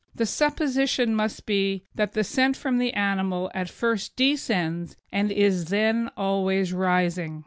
The supposition must be that the scent from the animal at first descends and is then always rising.